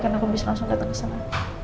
karena aku bisa langsung dateng kesana